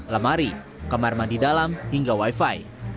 lemari kamar mandi dalam hingga wifi